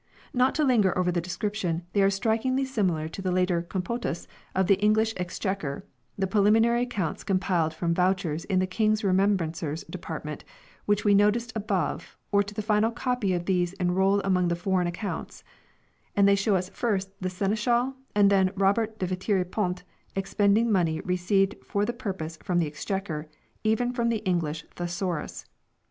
Not to linger over the description they are strikingly similar to the later " compotus " of the English Exchequer, the preliminary accounts compiled from vouchers in the King's Re membrancer's department which we noted above or ta the final copy of these enrolled among the Foreign Accounts ; and they show us first the Seneschal and then Robert de Veteri Ponte expending money re ceived for the purpose from the Exchequer even from the English "Thesaurus".